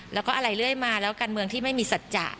แล้วก็อะไรเรื่อยมาแล้วการเมืองที่ไม่มีสัจจะ